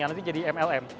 yang nanti jadi mlm